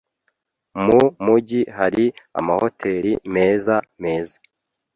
Mu mujyi hari amahoteri meza meza.